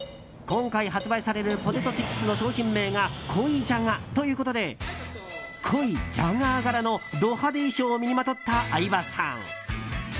今回発売されるポテトチップスの商品名が濃いじゃがということで濃いジャガー柄のド派手衣装を身にまとった相葉さん。